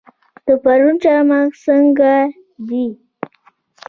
د پروان چارمغز څنګه دي؟